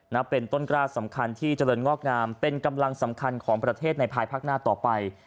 นับเป็นต้นกล้าสำคัญที่เจริญงอกงามเป็นกำลังสำคัญของประเทศในภายภาคหน้าต่อไป